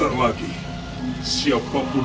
harus jadi marathon